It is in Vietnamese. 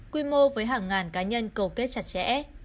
quy mô với hàng ngàn cá nhân cầu kết chặt chẽ